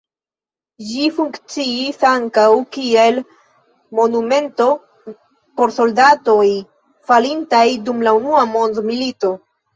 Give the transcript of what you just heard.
Ĝi funkciis ankaŭ kiel monumento por soldatoj falintaj dum la Unua mondmilito.